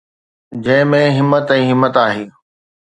جنهن ۾ همت ۽ همت آهي.